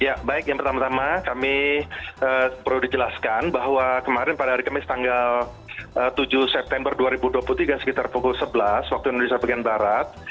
ya baik yang pertama tama kami perlu dijelaskan bahwa kemarin pada hari kamis tanggal tujuh september dua ribu dua puluh tiga sekitar pukul sebelas waktu indonesia bagian barat